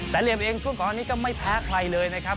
แต่เหรียบเองก็ไม่แพ้ใครเลยนะครับ